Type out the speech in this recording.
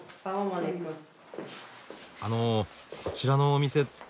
あのこちらのお店って。